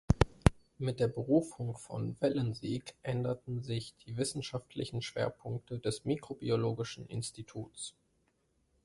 Mit der Berufung von Wellensiek änderten sich die wissenschaftlichen Schwerpunkte des mikrobiologischen Instituts.